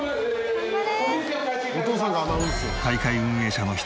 頑張れ。